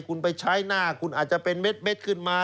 คุณไปใช้หน้าคุณอาจจะเป็นเม็ดขึ้นมา